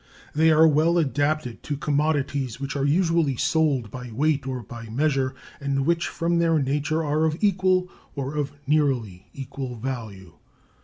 They are well adapted to commodities which are usually sold by weight or by measure, and which from their nature are of equal or of nearly equal value.